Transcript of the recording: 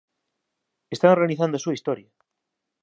Están organizado a súa historia.